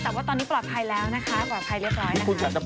สวัสดีครับ